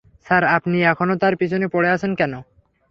Sir, আপনি এখনও তার পিছনে পরে আছেন কেন?